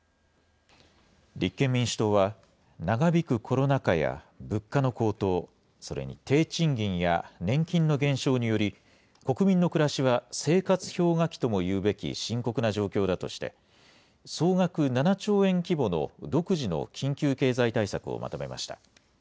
立憲民主党は、長引くコロナ禍や物価の高騰、それに低賃金や年金の減少により、国民の暮らしは生活氷河期ともいうべき深刻な状況だとして、総額７兆円規模の独自の緊急経済対策をまとめました。